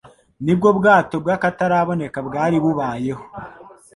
nibwo ubwato bw'akataraboneka bwari bubayeho